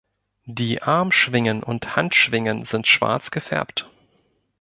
Die Armschwingen und Handschwingen sind schwarz gefärbt.